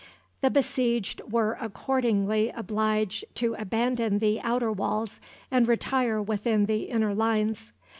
The besieged were accordingly obliged to abandon the outer walls and retire within the inner lines.